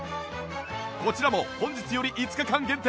こちらも本日より５日間限定